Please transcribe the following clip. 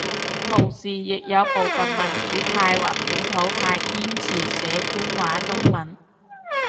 同時亦有部份民主派或本土派堅持寫官話中文